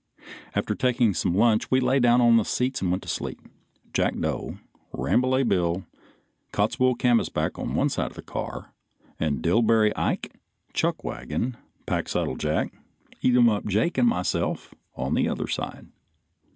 After taking some lunch we lay down on the seats and went to sleep, Jackdo, Rambolet Bill and Cottswool Canvasback on one side of the car, and Dillbery Ike, Chuckwagon, Packsaddle Jack, Eatumup Jake and myself on the other side.